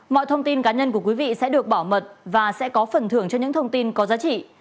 mọi thông tin cá nhân của quý vị sẽ được bảo mật và sẽ có phần thưởng cho những thông tin có giá trị